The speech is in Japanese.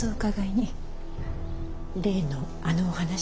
例のあのお話？